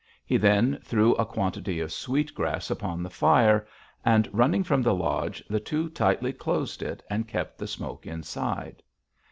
He then threw a quantity of sweetgrass upon the fire, and, running from the lodge, the two tightly closed it and kept the smoke inside.